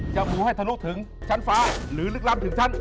มูให้ทะลุถึงชั้นฟ้าหรือลึกล้ำถึงชั้น